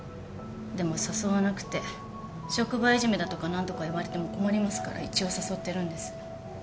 でも誘わなくて職場いじめだとか何とか言われても困りますから一応誘ってるんです。